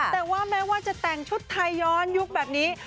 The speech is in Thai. แต่ว่าแม้ว่าจะแต่งชุดไทยย้อนยุคแบบนี้